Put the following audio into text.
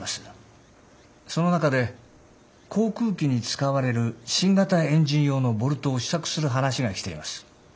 その中で航空機に使われる新型エンジン用のボルトを試作する話が来ています。